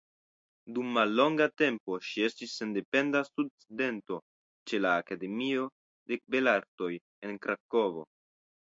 Dum mallonga tempo ŝi estis sendependa studento ĉe la Akademio de Belartoj en Krakovo.